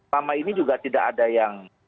selama ini juga tidak ada yang